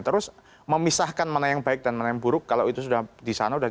terus memisahkan mana yang baik dan mana yang buruk kalau itu sudah di sana sudah